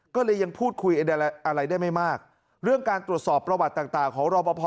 ก็เลยยังพูดคุยอะไรได้ไม่มากเรื่องการตรวจสอบประวัติต่างของรอปภ